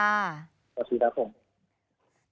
สวัสดีครับผม